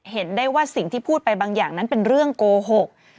เห็นได้ว่าสิ่งที่พูดไปบางอย่างนั้นเป็นเรื่องโกหก